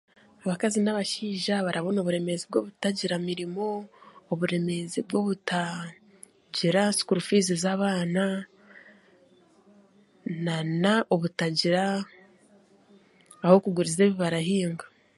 Abakazi n'abashaija baragira oburemeezi bw'obutagira emirimo, oburemeezi bw'obutagira sikuuru fiizi z'abaana nana obutagira ah'okuguriza ebi barahinga